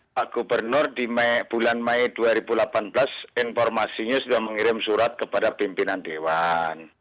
pak gubernur di bulan mei dua ribu delapan belas informasinya sudah mengirim surat kepada pimpinan dewan